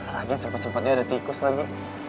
lagi cepet cepetnya ada tikus lagi